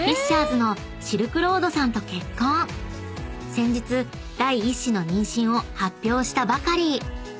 ［先日第一子の妊娠を発表したばかり］